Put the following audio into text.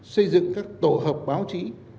xây dựng các tổ hợp báo chí